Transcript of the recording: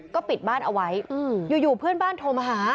ก็ปิดบ้านเอาไว้อยู่เพื่อนบ้านโทรมาหา